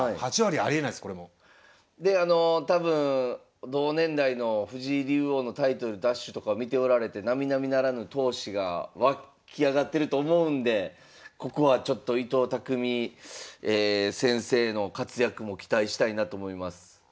であの多分同年代の藤井竜王のタイトル奪取とか見ておられてなみなみならぬ闘志が湧き上がってると思うんでここはちょっと伊藤匠先生の活躍も期待したいなと思います。